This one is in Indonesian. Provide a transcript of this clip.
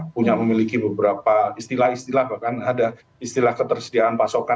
punya memiliki beberapa istilah istilah bahkan ada istilah ketersediaan pasokan